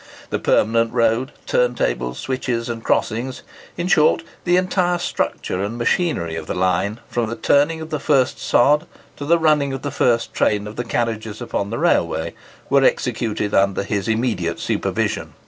The permanent road, turntables, switches, and crossings,—in short, the entire structure and machinery of the line, from the turning of the first sod to the running of the first train of carriages upon the railway,—were executed under his immediate supervision.